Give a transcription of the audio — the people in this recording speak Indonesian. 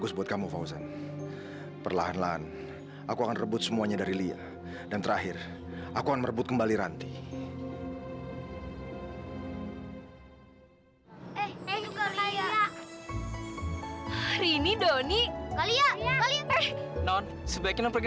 sampai jumpa di video selanjutnya